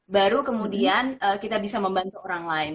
baru kemudian kita bisa membantu orang lain